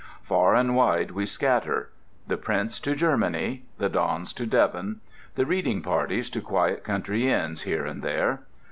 Far and wide we scatter. The Prince to Germany—the dons to Devon—the reading parties to quiet country inns here and there.